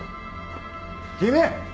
君！